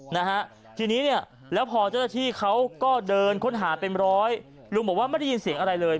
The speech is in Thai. นะฮะทีนี้เนี่ยแล้วพอเจ้าหน้าที่เขาก็เดินค้นหาเป็นร้อยลุงบอกว่าไม่ได้ยินเสียงอะไรเลย